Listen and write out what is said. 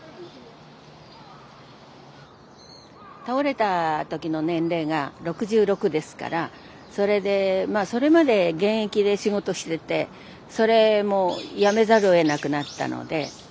倒れた時の年齢が６６ですからそれでまあそれまで現役で仕事しててそれもやめざるをえなくなったので。